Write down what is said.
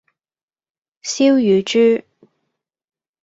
燒乳豬